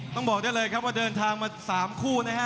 ต้องบอกได้เลยครับว่าเดินทางมา๓คู่นะฮะ